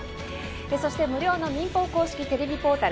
そして無料の民放公式テレビポータル